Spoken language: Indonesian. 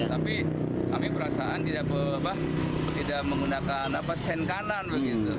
tapi kami perasaan tidak menggunakan sen kanan begitu